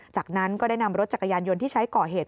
จากนั้นก็ได้นำรถจักรยานยนต์ที่ใช้ก่อเหตุ